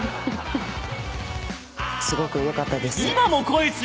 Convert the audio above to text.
すごく良かったです。